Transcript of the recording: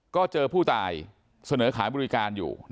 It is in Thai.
ก็เจอผู้ตายเสนอขายบริการอยู่